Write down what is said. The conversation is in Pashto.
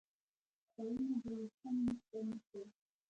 کارونه به یې سم مخته نه تلل.